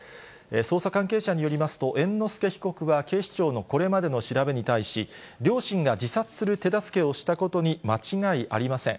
捜査関係者によりますと、猿之助被告は警視庁のこれまでの調べに対し、両親が自殺する手助けをしたことに間違いありません。